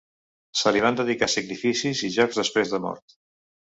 Se li van dedicar sacrificis i jocs després de mort.